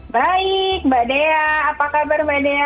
baik mbak dea apa kabar mbak dea